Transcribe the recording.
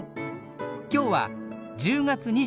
今日は１０月２７日